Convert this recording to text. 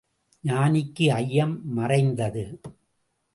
ஞானிக்கு ஐயம் மறைந்தது.